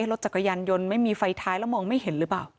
รถจักรยานยนต์ไม่มีไฟท้ายแล้วมองไม่เห็นหรือเปล่า